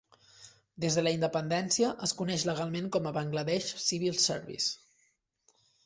Des de la independència, es coneix legalment com a "Bangladesh Civil Service".